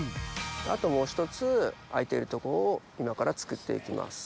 あともう一つ空いてる所を今から作って行きます。